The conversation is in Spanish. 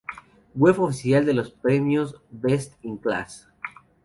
Web oficial de los Premios Best In Class